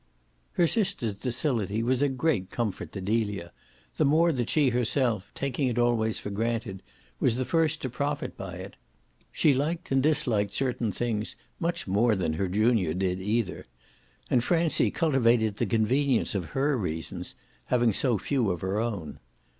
Her sister's docility was a great comfort to Delia, the more that she herself, taking it always for granted, was the first to profit by it. She liked and disliked certain things much more than her junior did either; and Francie cultivated the convenience of her reasons, having so few of her own.